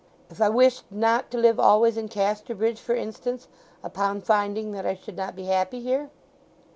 "If I wished not to live always in Casterbridge, for instance, upon finding that I should not be happy here?"